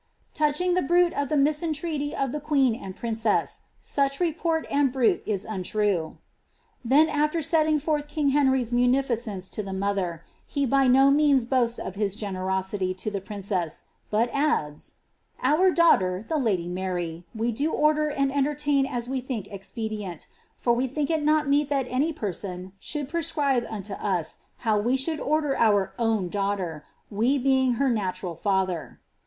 ^^ Touching the bruit of the miscrUreaty of the princess, such report and bruit is untrue \*^ then after setting Henry's munificence to the mother, he by no means hoasts of sity to the princess, but adds, ^Our daughter, the lady Mary, ler and entertain as we think expedient, for we think it not any person should prescribe unto us how we should order iQgbter, we being her natural father.